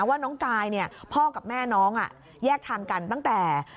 ว่าน้องกายพ่อกับแม่น้องแยกทางกันตั้งแต่